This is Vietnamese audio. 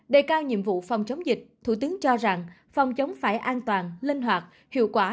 đề cao nhiệm vụ phòng chống dịch thủ tướng cho rằng phòng chống phải an toàn linh hoạt hiệu quả